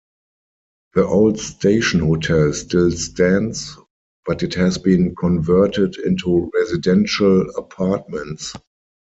The old Station Hotel still stands, but it has been converted into residential apartments.